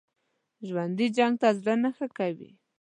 ژوندي جنګ ته زړه نه ښه کوي